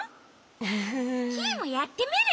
フフフ。キイもやってみる！